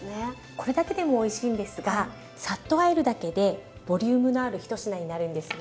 これだけでもおいしいんですがさっとあえるだけでボリュームのある一品になるんですよ。